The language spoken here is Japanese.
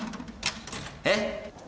えっ？